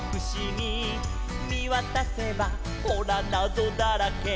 「みわたせばほらなぞだらけ」